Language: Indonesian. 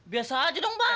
biasa aja dong bang